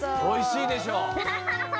おいしいでしょ。